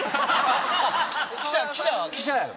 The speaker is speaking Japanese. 記者やろ！